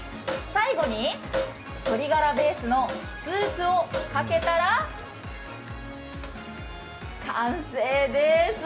最後に鶏がらベースのスープをかけたら完成です。